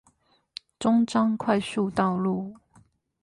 中彰快速道路